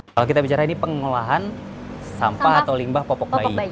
kalau kita bicara ini pengolahan sampah atau limbah popok bayi